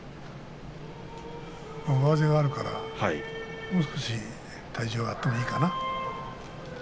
上背もありますしもう少し体重があってもいいかな。